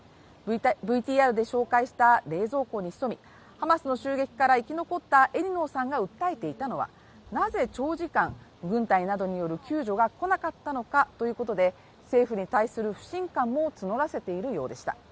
ＶＴＲで紹介した冷蔵庫にひそみハマスの襲撃から生き残ったエリノーさんが訴えていたのは、なぜ長時間、軍隊などによる救助が来なかったのかということで政府に対する不信感も募らせているようでした。